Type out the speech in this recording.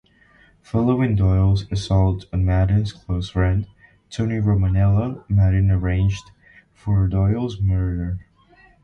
Following Doyle's assault on Madden's close friend, Tony Romanello, Madden arranged for Doyle's murder.